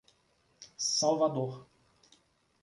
Salvador